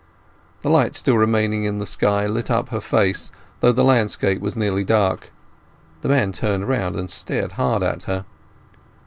The light still remaining in the sky lit up her face, though the landscape was nearly dark. The man turned and stared hard at her.